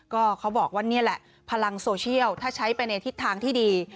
ก็เขาบอกว่านี่แหละพลังโซเชียลถ้าใช้ไปในทิศทางที่ดี